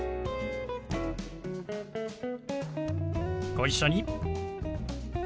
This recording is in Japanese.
ご一緒に。